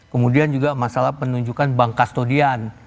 kemudian juga masalah penunjukan bank kastodian